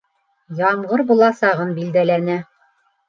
Ямғыр буласағын билдәләне.